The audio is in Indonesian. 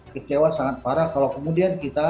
kecewa sangat parah kalau kemudian kita